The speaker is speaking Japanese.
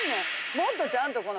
もっとちゃんとこの。